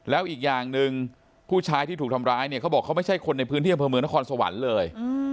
แล้วอีกอย่างหนึ่งผู้ชายที่ถูกทำร้ายเนี่ยเขาบอกเขาไม่ใช่คนในพื้นที่อำเภอเมืองนครสวรรค์เลย